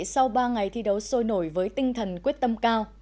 sau ba ngày thi đấu sôi nổi với tinh thần quyết tâm cao